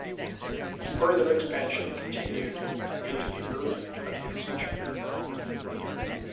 Further expansion continued into the early twentieth century.